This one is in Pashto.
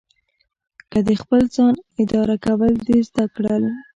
که د خپل ځان اداره کول دې زده کړل.